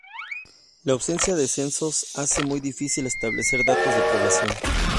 La ausencia de censos hace muy difícil establecer datos de población.